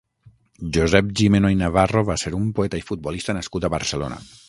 Josep Gimeno i Navarro va ser un poeta i futbolista nascut a Barcelona.